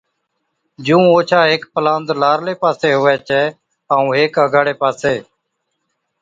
جُون اوڇا ھيڪ پَلاند لارلي پاسي ھُوي ڇَي ائُون ھيڪ اَگاڙي پاسي